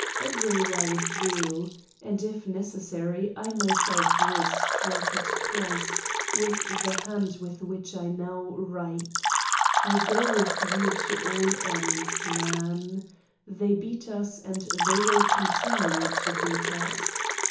Everywhere with you! And if necessary, I myself will strike at Christ with the hand with which I now write: I 148 Satan's Diary go with you to all ends, man. They beat us and they will continue to beat us.